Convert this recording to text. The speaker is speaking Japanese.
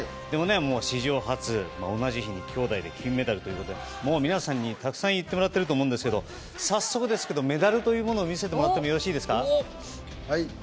史上初、同じ日に兄妹で金メダルということでもう皆さんにたくさん言ってもらってると思うんですけど早速ですけど、メダルを見せてもらっていいですか。